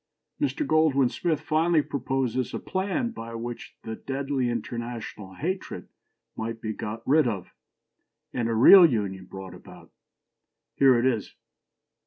" Mr. Goldwin Smith finally proposes a "plan" by which the "deadly international hatred" might be got rid of, and a "real union" brought about. Here it is.